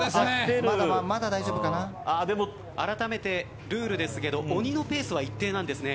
でもあらためてルールですけれども鬼のペースは一定なんですね。